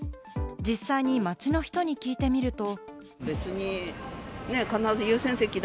実際に街の人に聞いてみると。